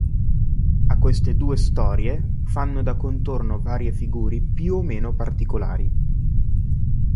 A queste due storie fanno da contorno varie figure più o meno particolari.